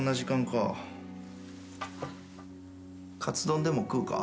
かつ丼でも食うか？